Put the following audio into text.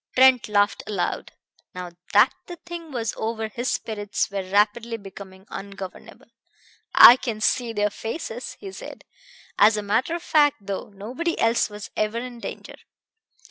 Trent laughed aloud. Now that the thing was over his spirits were rapidly becoming ungovernable. "I can see their faces!" he said. "As a matter of fact, though, nobody else was ever in danger.